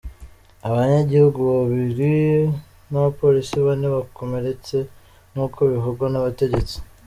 Abanyagihugu babiri n'abapolisi bane bakomeretse nk'uko bivugwa n'abategetsi.